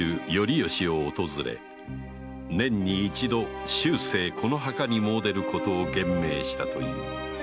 致を訪れ年に一度終生この墓に詣でることを厳命したという